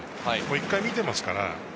一回、見ていますから。